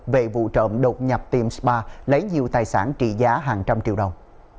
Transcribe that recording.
về vụ trộm đột nhập tiệm spa lấy nhiều tài sản trị giá hàng trăm triệu đồng